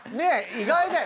意外だよ！